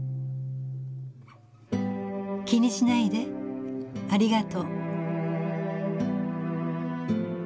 「きにしないでありがとう」。